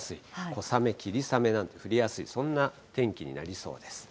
小雨、霧雨が降りやすい、そんな天気になりそうです。